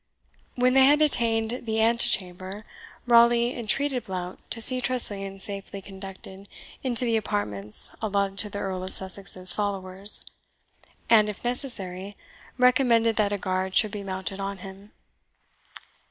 When they had attained the antechamber, Raleigh entreated Blount to see Tressilian safely conducted into the apartments allotted to the Earl of Sussex's followers, and, if necessary, recommended that a guard should be mounted on him.